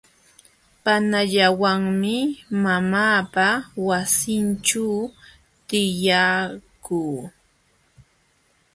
Panallawanmi mamaapa wasinćhuu tiyakuu.